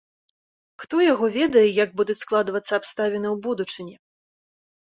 Хто яго ведае, як будуць складвацца абставіны ў будучыні?